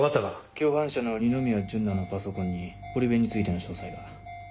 共犯者の二ノ宮純名のパソコンに堀部についての詳細が。